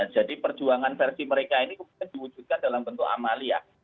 jadi perjuangan versi mereka ini kebetulan diwujudkan dalam bentuk amal ya